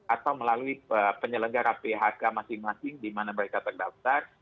atau melalui penyelenggara phk masing masing di mana mereka terdaftar